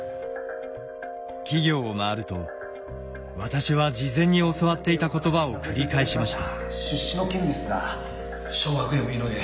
企業を回ると私は事前に教わっていた言葉を繰り返しました。